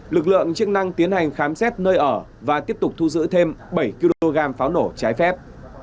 lực lượng chức năng tiến hành khám xét nơi ở và tiếp tục thu giữ thêm bảy kg pháo nổ trái phép